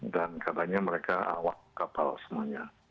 tujuh puluh delapan dan katanya mereka awak kapal semuanya